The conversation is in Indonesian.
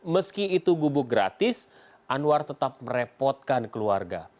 meski itu gubuk gratis anwar tetap merepotkan keluarga